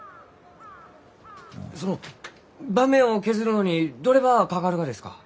その盤面を削るのにどればあかかるがですか？